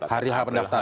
hari h pendaftaran